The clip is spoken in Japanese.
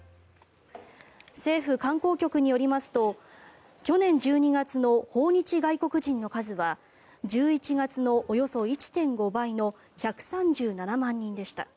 政府観光局によりますと去年１２月の訪日外国人の数は１１月のおよそ１．５倍の１３７万人でした。